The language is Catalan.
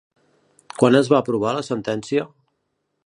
Quan es va aprovar la sentència?